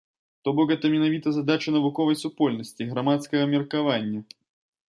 То бок, гэта менавіта задача навуковай супольнасці, грамадскага меркавання.